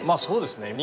そうですね。